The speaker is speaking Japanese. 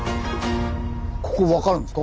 ここ分かるんですか？